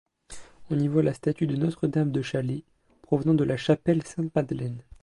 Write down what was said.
On y voit la statue de Notre-Dame-de-Chalet, provenant de la chapelle Sainte-Madeleine.